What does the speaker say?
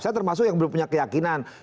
saya termasuk yang belum punya keyakinan